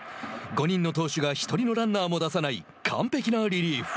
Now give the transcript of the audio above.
５人の投手が１人のランナーも出さない完璧なリリーフ。